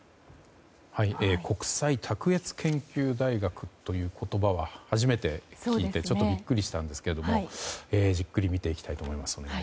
国際卓越研究大学という言葉は初めて聞いてちょっとビックリしましたが見ていきたいと思います。